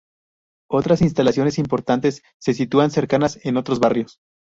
Otros instalaciones importantes se sitúan cercanas en otros barrios.